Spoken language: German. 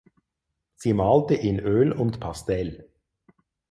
Sie malte in Öl und Pastell.